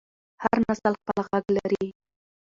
هر نسل خپل غږ لري